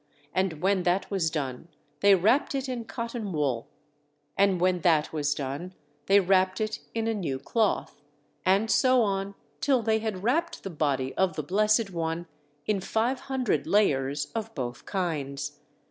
And when that was done they wrapped it in cotton wool. And when that was done, they wrapped it in a new cloth, and so on till they had wrapped the body of the Blessed One in five hundred layers of both kinds.